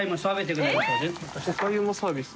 おかゆもサービス。